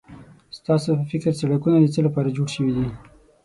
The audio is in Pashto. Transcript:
ستاسو په فکر سړکونه د څه لپاره جوړ شوي دي؟